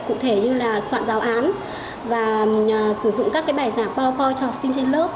cụ thể như là soạn giáo án và sử dụng các bài giảng powerpoint